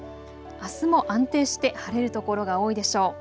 あすも安定して晴れる所が多いでしょう。